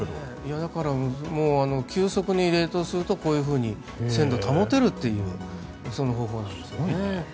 急速に冷凍するとこういうふうに鮮度を保てるというその方法なんですよね。